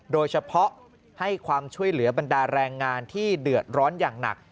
โดยเฉพาะให้ความช่วยเหลือบรรดาแรงงานที่เดือดร้อนอย่างหนัก